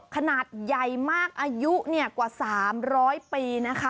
ขนาดใหญ่มากอายุกว่า๓๐๐ปีนะคะ